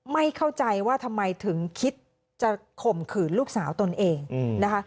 ไม่เข้าใจว่าทำไมถึงคิดจะข่มขืนลูกสาวตนเองนะคะ